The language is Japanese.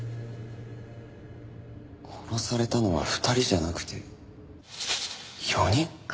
殺されたのは２人じゃなくて４人？